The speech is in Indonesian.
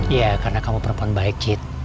iya karena kamu perempuan baik cit